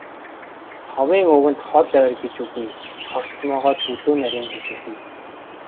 Ховын үгэнд хол ойр гэж үгүй, хорт могойд бүдүүн нарийн гэж үгүй.